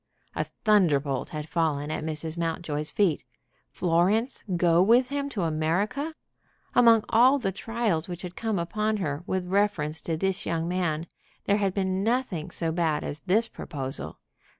A thunder bolt had fallen at Mrs. Mountjoy's feet! Florence go with him to America! Among all the trials which had come upon her with reference to this young man there had been nothing so bad as this proposal.